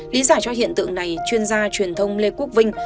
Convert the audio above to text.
lý giải cho hiện tượng này chuyên gia truyền thông lê quốc vinh